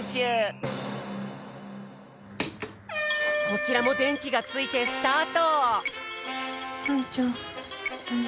こちらもでんきがついてスタート！